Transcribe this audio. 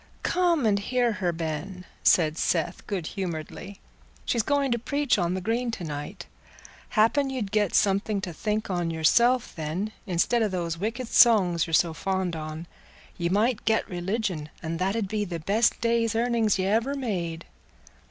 "Come and hear her, Ben," said Seth, good humouredly; "she's going to preach on the Green to night; happen ye'd get something to think on yourself then, instead o' those wicked songs you're so fond on. Ye might get religion, and that 'ud be the best day's earnings y' ever made."